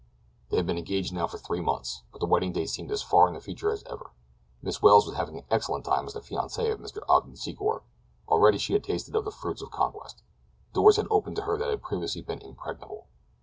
They had been engaged now for three months, but the wedding day seemed as far in the future as ever. Miss Welles was having an excellent time as the fiancée of Mr. Ogden Secor. Already she had tasted of the fruits of conquest. Doors had opened to her that had previously been impregnable.